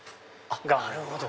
なるほど。